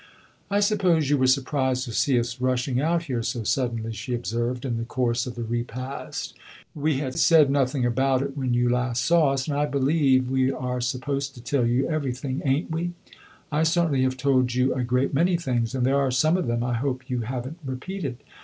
"I suppose you were surprised to see us rushing out here so suddenly," she observed in the course of the repast. "We had said nothing about it when you last saw us, and I believe we are supposed to tell you everything, ain't we? I certainly have told you a great many things, and there are some of them I hope you have n't repeated.